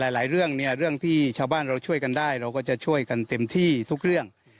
หลายเรื่องเนี่ยเรื่องที่ชาวบ้านเราช่วยกันได้เราก็จะช่วยกันเต็มที่ทุกเรื่อง